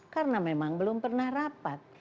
karena memang belum pernah rapat